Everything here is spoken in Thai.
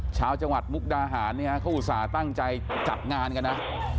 ชาวจังหวัดมุกดาหารเนี่ยเขาอุตส่าห์ตั้งใจจัดงานกันนะ